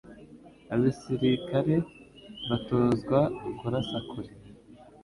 abasirikare batozwa kurasa kure